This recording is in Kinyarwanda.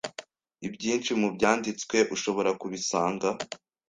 Ibyinshi mubyanditswe ushobora kubisanga